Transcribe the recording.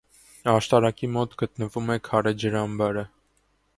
Աշտարակի մոտ գտնվում է քարե ջրամբարը։